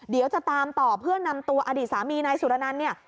เดี๋ยวจะตามต่อเพื่อนำตัวอดีตสามีนายสุรนันต์เนี่ย